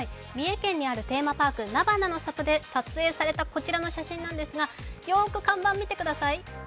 三重県にあるテーマパークなばなの里で撮影されたこちらの写真ですが、よーく看板見てください。